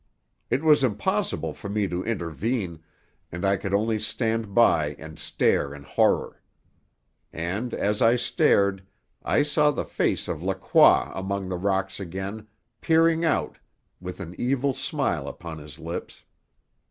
It was impossible for me to intervene, and I could only stand by and stare in horror. And, as I stared, I saw the face of Lacroix among the rocks again, peering out, with an evil smile upon his lips.